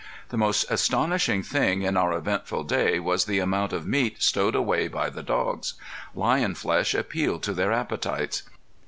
The most astonishing thing in our eventful day was the amount of meat stowed away by the dogs. Lion flesh appealed to their appetites.